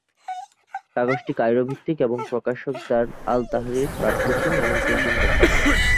কাগজটি কায়রো ভিত্তিক এবং প্রকাশক দার আল তাহরির পাবলিশিং এবং প্রিন্টিং কোম্পানি।